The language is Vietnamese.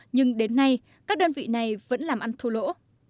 nhưng đến nay các đơn vị này vẫn làm ăn thua lỗ